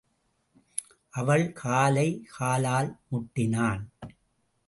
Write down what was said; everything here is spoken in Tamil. அவள் காலை காலால் முட்டினான்.